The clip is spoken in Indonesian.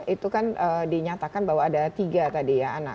itu kan dinyatakan bahwa ada tiga tadi ya